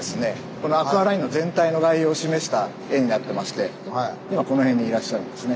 このアクアラインの全体の概要を示した絵になってまして今この辺にいらっしゃるんですね。